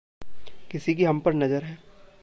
किसी की हम पर नज़र है।